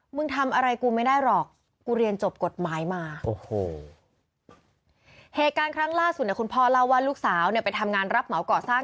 เหตุการณ์ครั้งล่าสุดคุณพ่อเล่าว่าลูกสาวไปทำงานรับเหมาเกาะสร้าง